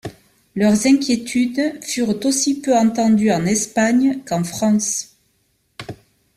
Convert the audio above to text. Leurs inquiétudes furent aussi peu entendues en Espagne, qu’en France.